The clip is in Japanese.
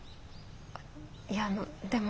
いやあのでも。